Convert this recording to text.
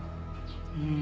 うん。